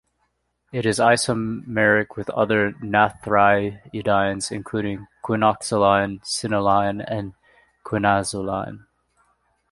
It is isomeric with other naphthyridines including quinoxaline, cinnoline and quinazoline.